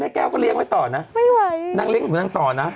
แก้วก็เลี้ยงไว้ต่อนะไม่ไหวนางเลี้ยหนูนางต่อนะ